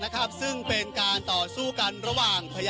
มันอาจจะเป็นแก๊สธรรมชาติค่ะ